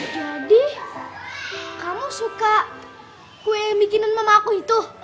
jadi kamu suka kue yang bikin mama aku itu